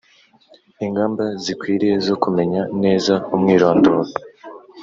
ingamba zikwiriye zo kumenya neza umwirondoro